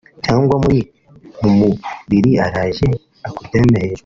cyangwa muri mu buriri araje akuryamye hejuru